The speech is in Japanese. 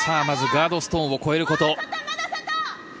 まずガードストーンを越えること。